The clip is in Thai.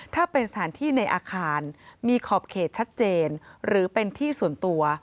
ถ้าเป็นสถานที่ในอาคารมีขอบเขตชัดเจนหรือเป็นที่ส่วนตัว